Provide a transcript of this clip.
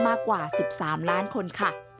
มากกว่า๑๓ล้านคนค่ะ